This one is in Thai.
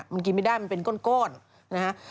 มันกินไม่ได้มันเป็นก้อนนะฮะ